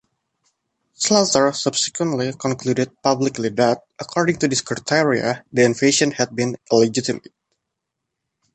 Slaughter subsequently concluded publicly that, according to these criteria, the invasion had been illegitimate.